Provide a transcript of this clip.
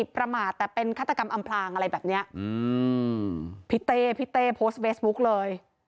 ประมาทแต่เป็นฆาตกรรมอำพลางอะไรแบบเนี้ยอืมพี่เต้พี่เต้โพสต์เฟซบุ๊กเลย